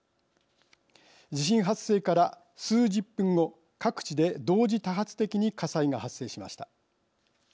地震発生から数十分後各地で同時多発的に火災が発生しました。